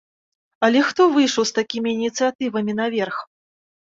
Але хто выйшаў з такімі ініцыятывамі наверх?